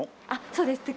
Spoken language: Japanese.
そうです。